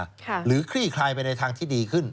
ค่ะสมมุติฮ่าหรือคลี่คล่ายไปในทางที่ดีขึ้น